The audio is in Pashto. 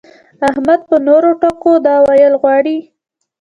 احمد په نورو ټکو دا ويل غواړي.